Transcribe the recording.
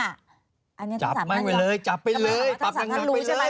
จับแม่งไว้เลยจับไปเลยปรับแม่งไว้เลย